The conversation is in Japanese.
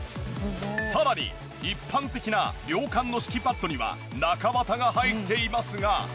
さらに一般的な涼感の敷きパッドには中綿が入っていますが。